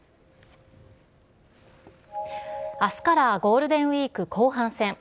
あすからゴールデンウィーク後半戦。